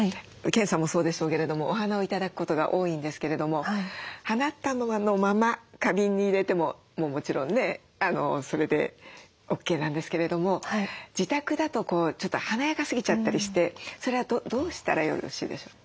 研さんもそうでしょうけれどもお花を頂くことが多いんですけれども花束のまま花瓶に入れてももちろんねそれでＯＫなんですけれども自宅だとちょっと華やかすぎちゃったりしてそれはどうしたらよろしいでしょう？